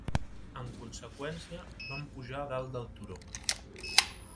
En conseqüència, van pujar a dalt del turó.